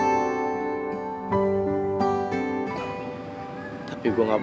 jadi aku tidak peduli dengan kita